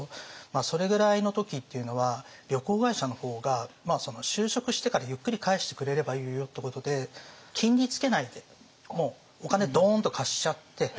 それぐらいの時っていうのは旅行会社の方が就職してからゆっくり返してくれればいいよってことで金利つけないでお金ドーンと貸しちゃって。